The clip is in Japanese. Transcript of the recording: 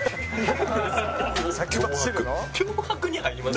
脅迫に入ります？